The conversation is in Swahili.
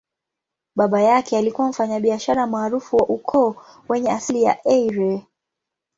Baba yake alikuwa mfanyabiashara maarufu wa ukoo wenye asili ya Eire.